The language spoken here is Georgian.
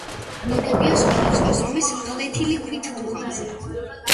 ნაგებია სხვადასხვა ზომის ფლეთილი ქვით დუღაბზე.